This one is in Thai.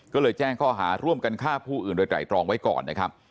ก็เลยแจ้งข้อหาร่วมกันฆ่าผู้อื่นโดยไตรตรองไว้ก่อนนะครับ